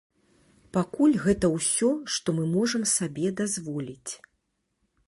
Пакуль гэта ўсё, што мы можам сабе дазволіць.